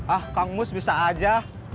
ah kang mus bisa aja